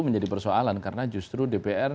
menjadi persoalan karena justru dpr